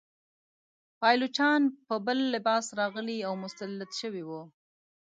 پایلوچان په بل لباس راغلي او مسلط شوي وه.